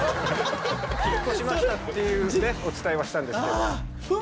引っ越しましたってお伝えはしたんですけど。